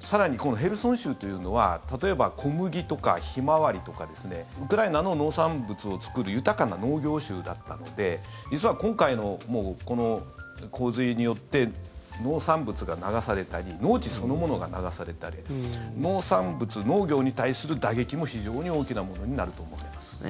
更に、このヘルソン州というのは例えば小麦とかヒマワリとかウクライナの農産物を作る豊かな農業州だったので実は今回の、この洪水によって農産物が流されたり農地そのものが流されたり農産物、農業に対する打撃も非常に大きなものになると思います。